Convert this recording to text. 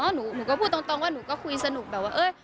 หนูก็พูดตรงว่าหนูก็คุยสนุกแบบว่า